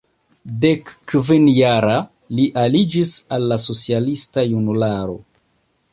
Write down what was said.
Dekkvin-jara, li aliĝis al la socialista Junularo.